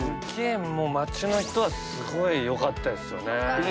街の人はすごい良かったですよね。